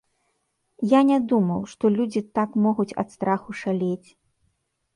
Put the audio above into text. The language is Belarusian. Я не думаў, што людзі так могуць ад страху шалець.